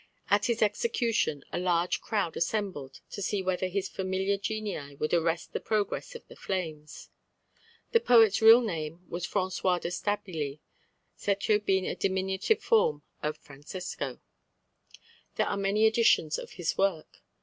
At his execution a large crowd assembled to see whether his familiar genii would arrest the progress of the flames. The poet's real name was François de Stabili, Cecco being a diminutive form of Francesco. There are many editions of his work.